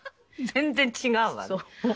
全然違うわね。